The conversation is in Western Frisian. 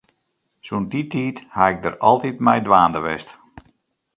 Sûnt dy tiid ha ik dêr altyd mei dwaande west.